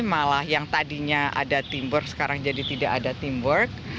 malah yang tadinya ada teamwork sekarang jadi tidak ada teamwork